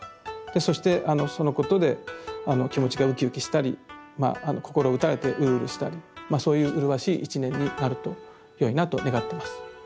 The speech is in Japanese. そしてそのことで気持ちがうきうきしたりまあ心を打たれてうるうるしたりまあそういううるわしい一年になるとよいなと願ってます。